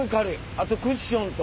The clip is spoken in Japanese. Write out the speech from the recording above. あとクッションと。